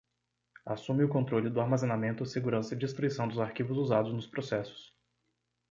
Assume o controle do armazenamento, segurança e destruição dos arquivos usados nos processos.